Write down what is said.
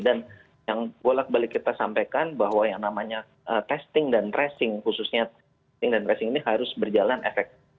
dan yang boleh kita sampaikan bahwa yang namanya testing dan tracing khususnya testing dan tracing ini harus berjalan efek